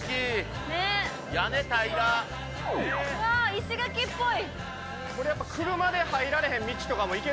石垣っぽい。